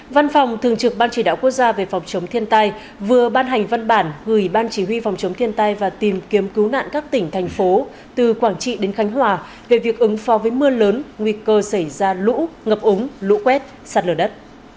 văn phòng thường trực ban chỉ đạo quốc gia về phòng chống thiên tai vừa ban hành văn bản gửi ban chỉ huy phòng chống thiên tai và tìm kiếm cứu nạn các tỉnh thành phố từ quảng trị đến khánh hòa về việc ứng pho với mưa lớn nguy cơ xảy ra lũ ngập ống lũ quét sạt lở đất